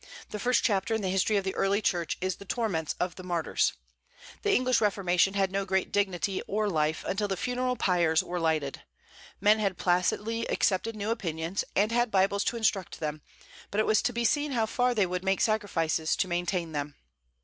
The first chapter in the history of the early Church is the torments of the martyrs. The English Reformation had no great dignity or life until the funeral pyres were lighted. Men had placidly accepted new opinions, and had Bibles to instruct them; but it was to be seen how far they would make sacrifices to maintain them.